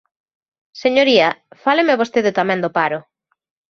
Señoría, fálame vostede tamén do paro.